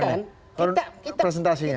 bukan kita publik melihat